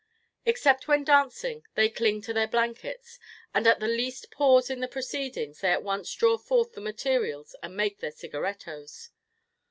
Except when dancing, they cling to their blankets, and at the least pause in the proceedings, they at once draw forth the materials and make their cigarettos.